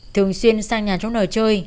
thường xuyên sang nhà cháu n chơi